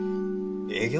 営業？